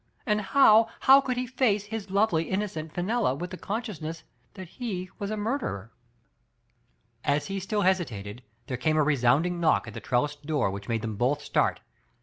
And how, how could he face his lovely innocent Fenella with the consciousness that he was a murderer? As he still hesitated, there came a resounding knock at the trellised door which made them both start.